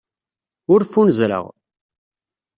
Ur ffunzreɣ.